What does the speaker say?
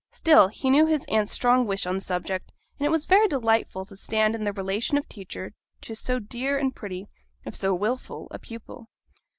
Still he knew his aunt's strong wish on the subject, and it was very delightful to stand in the relation of teacher to so dear and pretty, if so wilful, a pupil.